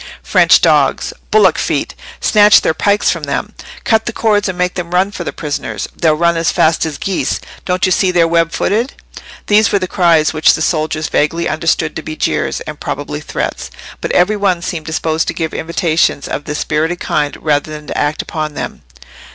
"French dogs!" "Bullock feet!" "Snatch their pikes from them!" "Cut the cords and make them run for their prisoners. They'll run as fast as geese—don't you see they're web footed?" These were the cries which the soldiers vaguely understood to be jeers, and probably threats. But every one seemed disposed to give invitations of this spirited kind rather than to act upon them.